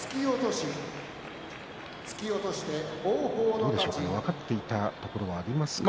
どうでしょうか分かっていたところはありますかね。